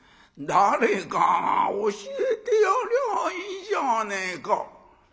「誰かが教えてやりゃいいじゃねえか」。